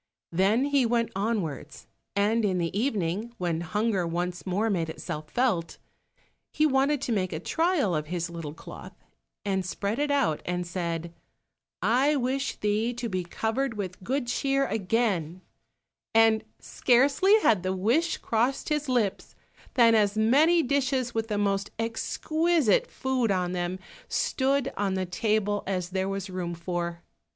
Then he went onwards, and in the evening, when hunger once more made itself felt, he wanted to make a trial of his little cloth, and spread it out and said, "I wish thee to be covered with good cheer again," and scarcely had the wish crossed his lips than as many dishes with the most exquisite food on them stood on the table as there was room for.